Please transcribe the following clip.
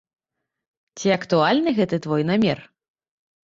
Ці актуальны гэты твой намер?